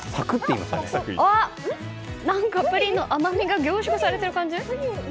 プリンの甘みが凝縮されてる感じ？